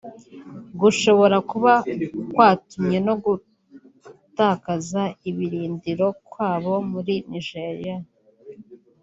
gushobora kuba kwatumwe no gutakaza ibirindiro kwabo muri Nigeria